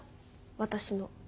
私の。